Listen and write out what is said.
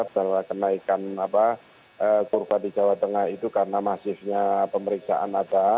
karena kenaikan kurva di jawa tengah itu karena masifnya pemeriksaan ada